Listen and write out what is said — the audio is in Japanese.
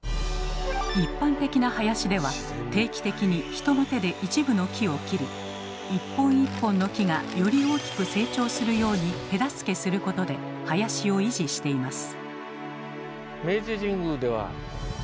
一般的な林では定期的に人の手で一部の木を切り一本一本の木がより大きく成長するように手助けすることで林を維持しています。